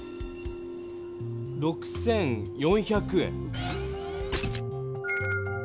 ６４００円。